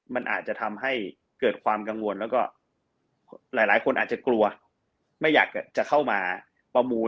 มันอาจจะทำให้เกิดความกังวลแล้วก็หลายคนอาจจะกลัวไม่อยากจะเข้ามาประมูล